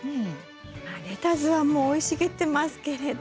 まあレタスはもう生い茂ってますけれど。